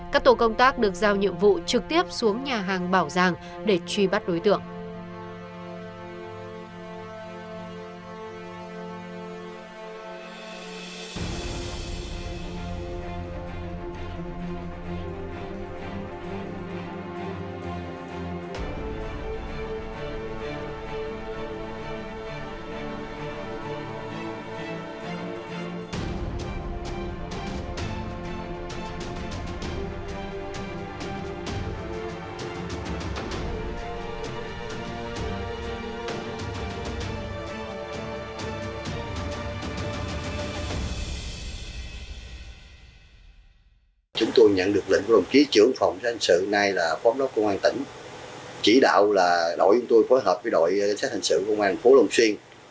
các tổ công tác được giao nhiệm vụ trực tiếp xuống nhà hàng bảo giang thuộc phường mỹ thới thành phố long xuyên